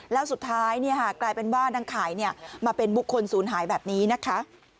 แล้วสุดท้ายกลายเป็นว่านางขายมาเป็นบุคคลศูนย์หายแบบนี้นะคะ